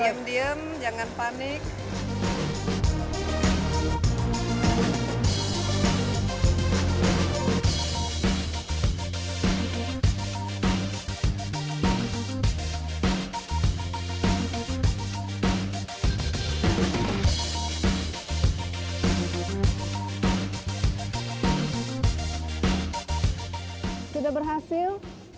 sudah mendapat hasil